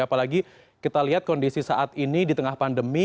apalagi kita lihat kondisi saat ini di tengah pandemi